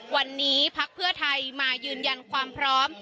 วันนี้พักเพื่อไทยมายืนยันความพร้อม